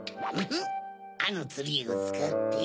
あのツリーをつかって。